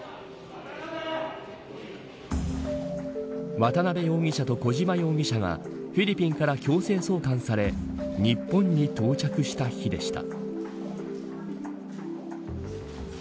渡辺容疑者と小島容疑者がフィリピンから強制送還され日本に到着した日でした。